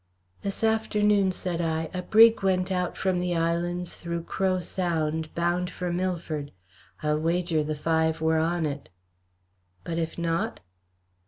"This afternoon," said I, "a brig went out from the islands through Crow Sound, bound for Milford. I'll wager the five were on it." "But if not?"